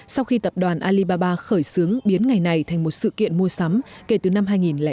sau khi tập đoàn alibaba khởi xướng biến ngày này thành một sự kiện mua sắm kể từ năm hai nghìn chín